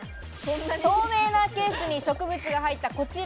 透明なケースに植物が入った、こちら。